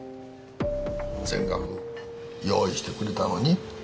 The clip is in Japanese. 全額用意してくれたのに？